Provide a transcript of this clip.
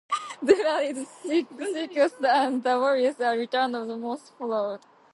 Durral is rescued and the warriors all return to Mossflower.